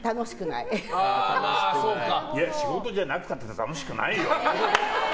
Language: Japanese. いや、仕事じゃなくたって楽しくないよ！